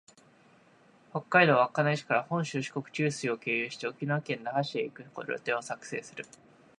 北海道稚内市から本州、四国、九州を経由して、沖縄県那覇市へ行く旅程を作成する